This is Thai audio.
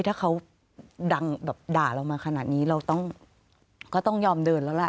ถ้าเขาดังแบบด่าเรามาขนาดนี้เราต้องก็ต้องยอมเดินแล้วล่ะ